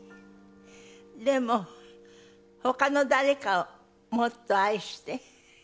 でも、他の誰かをもっと愛して。